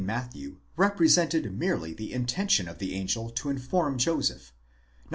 Matthew represented merely the intention of the angel to inform Joseph, not.